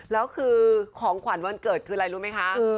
แล้วคือของขวัญวันเกิดคืออะไรรู้ไหมคะ